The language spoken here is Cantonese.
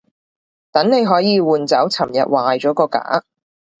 等你可以換走尋日壞咗嗰架